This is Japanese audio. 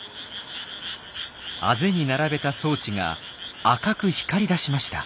畔に並べた装置が赤く光りだしました。